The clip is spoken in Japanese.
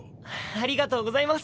ありがとうございます。